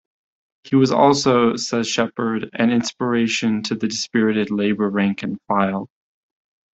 He was also, says Shepherd, an inspiration to the dispirited Labour rank and file.